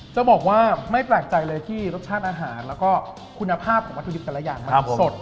จะบอกว่าไม่แปลกใจเลยที่รสชาติอาหารแล้วก็คุณภาพของวัตถุดิบแต่ละอย่างมันสด